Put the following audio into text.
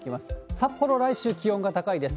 札幌、来週気温が高いです。